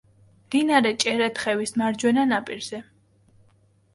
მდინარე ჭერათხევის მარჯვენა ნაპირზე.